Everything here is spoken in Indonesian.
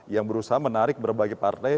yang berusaha menarik berbagai partai